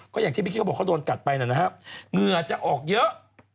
ก็อย่างที่พิษเขาบอกเขาโดนกัดไปนั่นนะฮะเงื่อจะออกเยอะ